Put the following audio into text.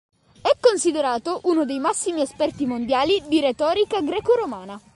È considerato uno dei massimi esperti mondiali di retorica greco-romana.